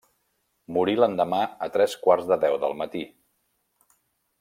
Morí l'endemà a tres quarts de deu del matí.